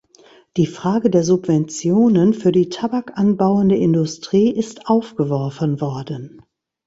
Die Frage der Subventionen für die tabakanbauende Industrie ist aufgeworfen worden.